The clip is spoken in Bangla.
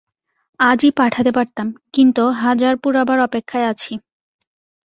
আজই পাঠাতে পারতাম, কিন্তু হাজার পুরাবার অপেক্ষায় আছি।